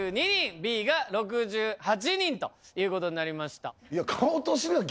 Ｂが６８人ということになりました。